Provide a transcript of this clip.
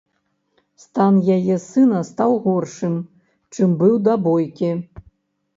Стан яе сына стаў горшым, чым быў да бойкі.